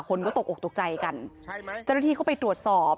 คนก็ตกอกตกใจกันเจ้าหน้าที่เข้าไปตรวจสอบ